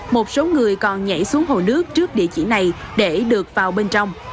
một số người còn nhảy xuống hồ nước trước địa chỉ này để được vào bên trong